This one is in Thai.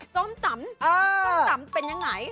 ส้มตำส้มตำเป็นยังไง